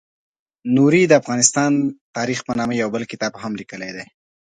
نوري د افغانستان تاریخ په نامه یو بل کتاب هم لیکلی دی.